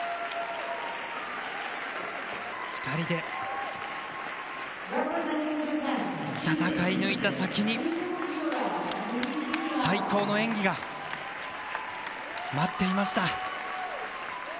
２人で戦い抜いた先に、最高の演技が、待っていました。